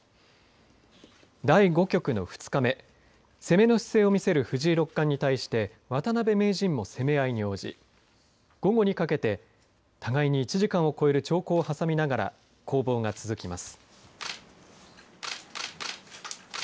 第５局の２日目攻めの姿勢を見せる藤井六冠に対して渡辺名人も攻め合いに応じ午後にかけて互いに１時間を超える長考を挟みながら攻防が続きます。